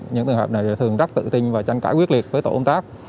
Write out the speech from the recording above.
những trường hợp này thường rất tự tin và tranh cãi quyết liệt với tổ công tác